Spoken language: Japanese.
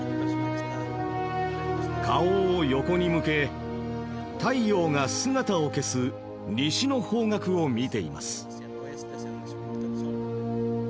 顔を横に向け太陽が姿を消す西の方角を見ています。